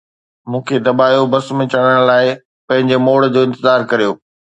مون کي دٻايو، بس ۾ چڙهڻ لاءِ پنهنجي موڙ جو انتظار ڪريو